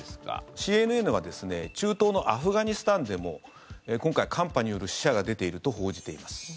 ＣＮＮはですね中東のアフガニスタンでも今回、寒波による死者が出ていると報じています。